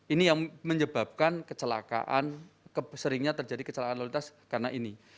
ini yang menyebabkan kecelakaan seringnya terjadi kecelakaan lalu lintas karena ini